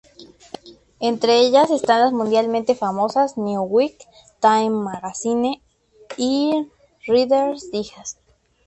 Entre ellas están las mundialmente famosas "Newsweek", "Time Magazine" y "Reader's Digest".